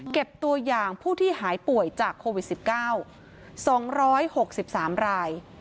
เก็บตัวอย่างผู้ที่หายป่วยจากโควิด๑๙๒๖๓ราย